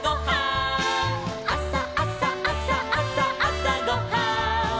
「あさあさあさあさあさごはん」